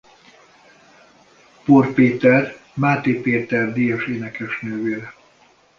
Poór Péter Máté Péter-díjas énekes nővére.